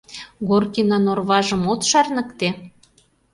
Горкинан орважым от шарныкте?